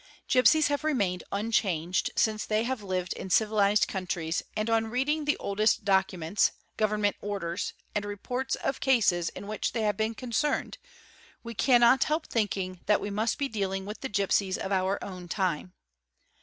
Gipsies have remained unchanged since they have lived in ivilised countries and on reading the oldest documents, government rders, and reports of cases in which they have been concerned, we innot help thinking that we must be dealing with the gipsies of our wn time'.